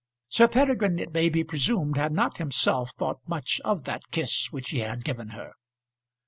Sir Peregrine, it may be presumed, had not himself thought much of that kiss which he had given her.